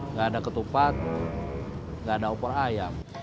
nggak ada ketupat nggak ada opor ayam